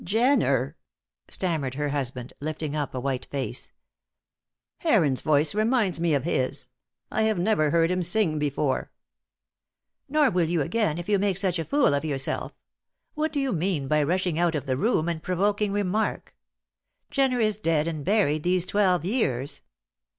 "Jenner," stammered her husband, lifting up a white face. "Heron's voice reminds me of his. I have never heard him sing before." "Nor will you again if you make such a fool of yourself. What do you mean by rushing out of the room and provoking remark? Jenner is dead and buried these twelve years."